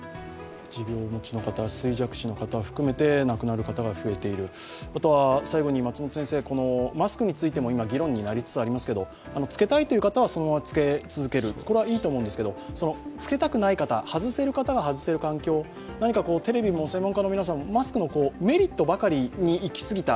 持病をお持ちの方、衰弱死の方含めて亡くなる方が増えている、あとはマスクについても議論になりつつありますけど着けたいという方はそのまま着け続ける、これはいいと思いますが着けたくない方外せる方が外せる環境、何か、テレビの専門家の皆さん、マスクのメリットばかりに行き過ぎた